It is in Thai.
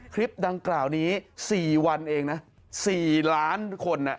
คลิปดังกล่าวนี้๔วันเองนะ๔ล้านคน